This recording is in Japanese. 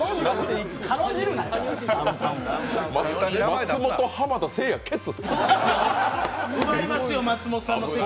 松本、浜田、せいや、ケツ？